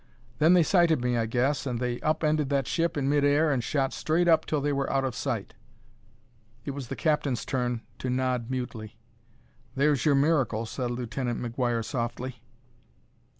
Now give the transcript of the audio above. Then they sighted me, I guess, and they up ended that ship in mid air and shot straight up till they were out of sight." It was the captain's turn to nod mutely. "There's your miracle," said Lieutenant McGuire softly.